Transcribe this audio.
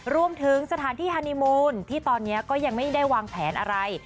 รวมถึงสถานที่ฮานีมูลที่ตอนนี้ก็ยังไม่ได้วางแผนอะไร